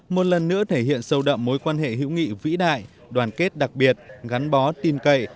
một lần nữa thể hiện sâu đậm mối quan hệ hữu nghị vĩ đại đoàn kết đặc biệt gắn bó tin cậy